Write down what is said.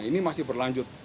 ini masih berlanjut